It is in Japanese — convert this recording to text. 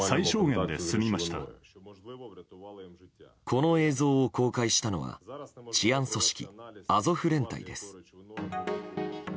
この映像を公開したのは治安組織、アゾフ連隊です。